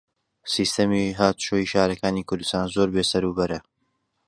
سیستەمی هاتوچۆی شارەکانی کوردستان زۆر بێسەروبەرە.